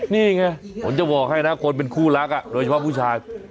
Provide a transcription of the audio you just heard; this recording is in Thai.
นี่ไงผมจะบอกให้นะคนเป็นคู่รักโดยเฉพาะผู้ชาย